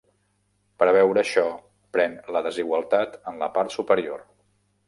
Per a veure això, pren la desigualtat en la part superior.